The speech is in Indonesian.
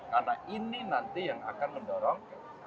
karena ini nanti yang akan mendorong